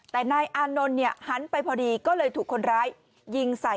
แล้วก็มัดมาเตือนที่นี่แล้วผมก็เกียรติ